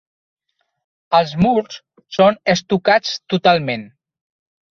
Els murs són estucats totalment.